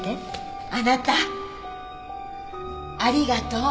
あなたありがとう。